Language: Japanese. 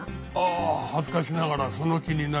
ああ恥ずかしながらその気になりました。